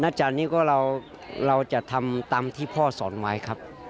อาจารย์นี้ก็เราจะทำตามที่พ่อสอนไว้ครับ